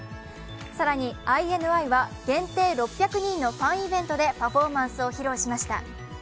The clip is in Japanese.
更にＩＮＩは限定６００人のファンイベントでパフォーマンスを披露しました。